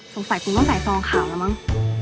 สงสัยคงต้องใส่ซองข่าวแล้วมั้ง